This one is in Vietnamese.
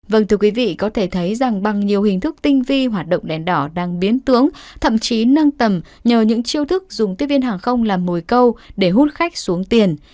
vâng thưa quý vị có thể thấy rằng bằng nhiều hình thức tinh vi hoạt động đèn đỏ đang biến tướng thậm chí nâng tầm nhờ những chiêu thức dùng tiếp viên hàng không làm mồi câu để hút khách xuống tiền